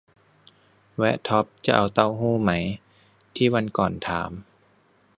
แวะท็อปส์ จะเอาเต้าหู้ไหม ที่วันก่อนถาม